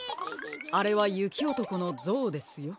あれはゆきおとこのぞうですよ。